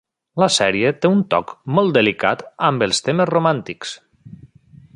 La sèrie té un toc molt delicat amb els temes romàntics.